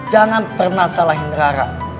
jangan pernah salahin rara